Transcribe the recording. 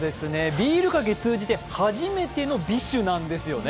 ビールかけ通じて初めての美酒なんですよね。